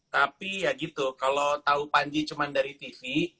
tapi ya gitu kalau tahu panji cuma dari tv